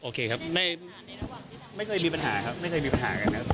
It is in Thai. โอเคครับไม่เคยมีปัญหาครับไม่เคยมีปัญหากันครับ